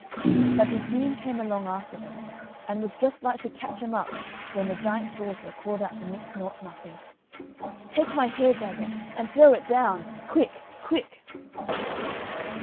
But he soon came along after them and was just like to catch 'em up when the giant's daughter called out to Nix Nought Nothing, "Take my hair dagger and throw it down, quick, quick."